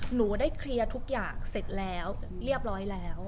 หนูได้เคลียร์ทุกอย่างเสร็จแล้วเรียบร้อยแล้ว